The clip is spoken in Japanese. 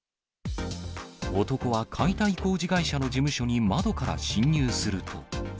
男は解体工事会社の事務所に窓から侵入すると。